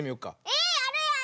えやるやる！